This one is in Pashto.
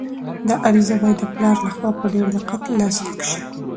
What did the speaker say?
دا عریضه باید د پلار لخوا په ډېر دقت لاسلیک شي.